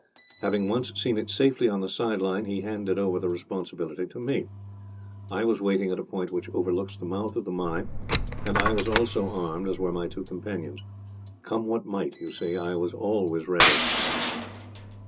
Having once seen it safely on the side line, he handed over the responsibility to me. I was waiting at a point which overlooks the mouth of the mine, and I was also armed, as were my two companions. Come what might, you see, I was always ready.